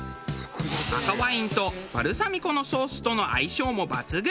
赤ワインとバルサミコのソースとの相性も抜群。